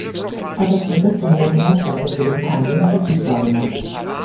Bei der Zersetzung werden Nährstoffe für den Keimling verfügbar gemacht.